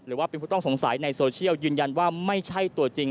หรือว่าเป็นผู้ต้องสงสัยในโซเชียลยืนยันว่าไม่ใช่ตัวจริง